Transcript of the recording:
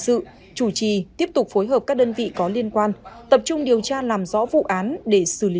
sự chủ trì tiếp tục phối hợp các đơn vị có liên quan tập trung điều tra làm rõ vụ án để xử lý